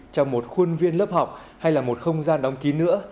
trong một khuôn viên lớp học hay là một không gian đóng ký nữa